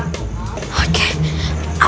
nih gini caranya